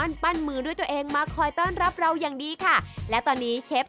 สวัสดีครับสวัสดีครับ